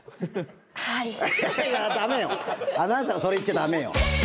アナウンサーがそれ言っちゃ駄目よ。